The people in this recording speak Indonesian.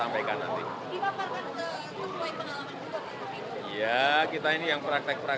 pak ada pertanyaan yang ingin saya jawab